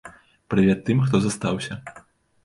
Прывет тым, хто застаўся!